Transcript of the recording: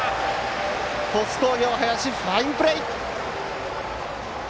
鳥栖工業の林、ファインプレー！